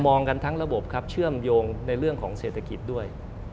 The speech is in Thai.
องกันทั้งระบบครับเชื่อมโยงในเรื่องของเศรษฐกิจด้วย